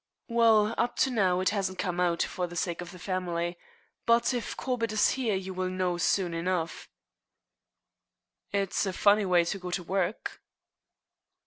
"Well, up to now it hasn't come out, for the sake of the family. But if Corbett is here you will know soon enough." "It's a funny way to go to work."